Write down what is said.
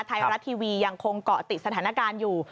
ไทยรัฐทีวียังคงเกาะติดสถานการณ์อยู่